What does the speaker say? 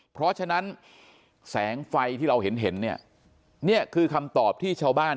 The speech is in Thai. เพราะฉะนั้นแสงไฟที่เราเห็นเห็นเนี่ยนี่คือคำตอบที่ชาวบ้าน